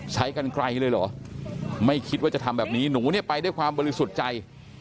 ใช้กันไกลเลยเหรอไม่คิดว่าจะทำแบบนี้หนูเนี่ยไปด้วยความบริสุทธิ์ใจ